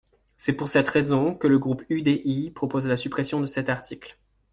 C’est pour cette raison que le groupe UDI propose la suppression de cet article.